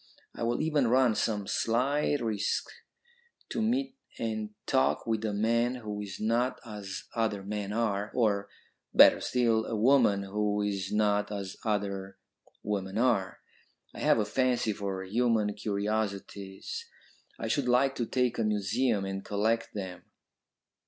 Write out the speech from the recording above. I will even run some slight risk to meet and talk with a man who is not as other men are, or, better still, a woman who is not as other women are. I have a fancy for human curiosities; I should like to take a museum and collect them."